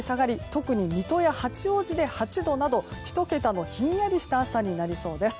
特に水戸や八王子で８度など１桁のひんやりした朝になりそうです。